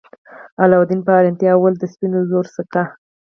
علاوالدین په حیرانتیا وویل د سپینو زرو سکه.